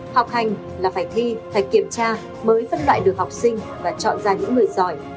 học hành là phải thi phải kiểm tra mới phân loại được học sinh và chọn ra những người giỏi